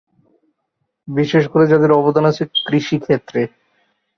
বিশেষ করে যাদের অবদান রয়েছে কৃষিক্ষেত্রে।